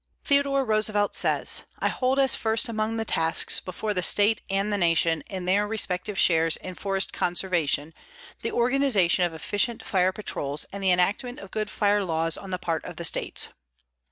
Theodore Roosevelt says: "I hold as first among the tasks before the states and the nation in their respective shares in forest conservation the organization of efficient fire patrols and the enactment of good fire laws on the part of the states."